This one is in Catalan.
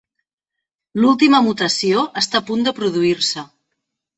L'última mutació està a punt de produir-se.